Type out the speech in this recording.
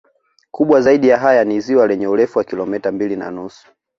Kubwa zaidi ya haya ni ziwa lenye urefu wa kilometa mbili na nusu